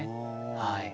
はい。